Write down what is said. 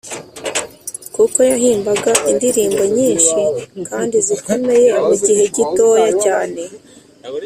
kuko yahimbaga indirimbo nyinshi kandi zikomeye mu gihe gitoya cyane.